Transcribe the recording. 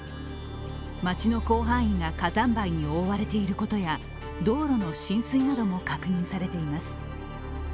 街の広範囲が火山灰に覆われていることや道路の浸水なども確認されています。